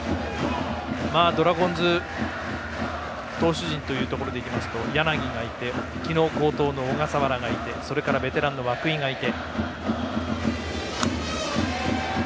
ドラゴンズ投手陣というところでいいますと柳がいて昨日好投の小笠原がいてそれからベテランの涌井がいて。